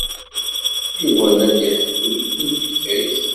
Yuba la d-iḥekku yiwet n teḥkayt.